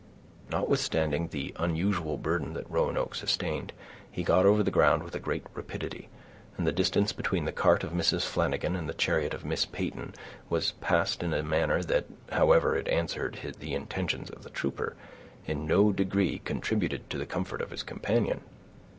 Notwithstanding the unusual burden that Roanoke sustained, he got over the ground with great rapidity, and the distance between the cart of Mrs. Flanagan and the chariot of Miss Peyton was passed in a manner that, however it answered the intentions of the trooper, in no degree contributed to the comfort of his companion.